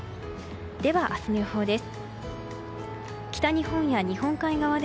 では、明日の予報です。